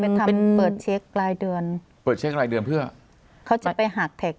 ทำเป็นเปิดเช็ครายเดือนเปิดเช็ครายเดือนเพื่อเขาจะไปหาดแท็ก